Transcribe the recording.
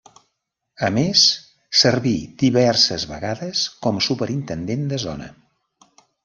A més servi diverses vegades com Superintendent de Zona.